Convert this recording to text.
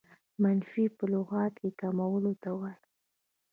منفي په لغت کښي کمولو ته وايي.